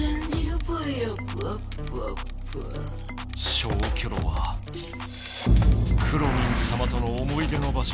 消去炉はくろミンさまとの思い出の場しょ。